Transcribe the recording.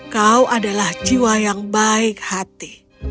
kau adalah jiwa yang baik hati